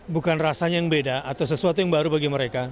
bukan rasanya yang beda atau sesuatu yang baru bagi mereka